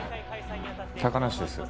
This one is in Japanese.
高梨です。